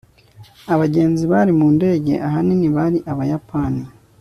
abagenzi bari mu ndege ahanini bari abayapani